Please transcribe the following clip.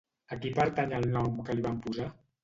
A qui pertany el nom que li van posar?